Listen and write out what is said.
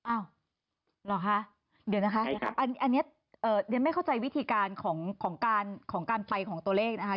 อ้าวเดี๋ยวนะคะอันนี้ไม่เข้าใจวิธีการของการไปของตัวเลขนะคะ